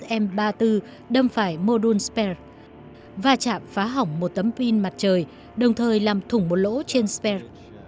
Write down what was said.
sm ba mươi bốn đâm phải mô đun spetslab và chạm phá hỏng một tấm pin mặt trời đồng thời làm thủng một lỗ trên spetslab